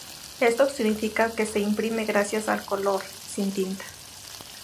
Esto significa que se imprime gracias al calor, sin tinta.